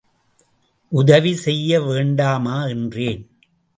உதவி செய்ய வேண்டாமா? என்றேன்.